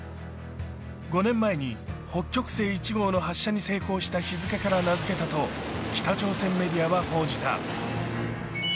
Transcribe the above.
５年前に北極星１号の発射に成功した日付から名付けたと北朝鮮メディアは報じた。